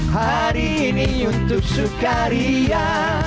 hari ini untuk sukaria